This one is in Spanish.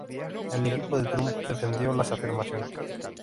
El equipo de Trump defendió las afirmaciones.